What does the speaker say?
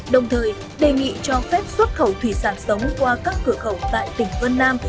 đồng thời đề nghị cho phép xuất khẩu thủy sản sống qua các cửa khẩu tại tỉnh vân nam